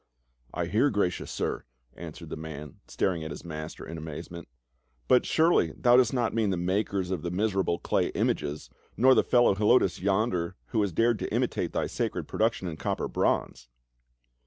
•' I hear, gracious sir," answered the man, staring at his master in amazement ;" but surely thou dost not mean the makers of the miserable clay images, nor the fellow Helotus yonder who hath dared to imitate thy sacred production in copper bronze